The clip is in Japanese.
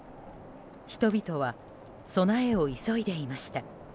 人々は、備えを急いでいました。